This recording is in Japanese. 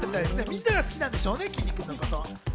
みんなが好きなんでしょうね、きんに君のことを。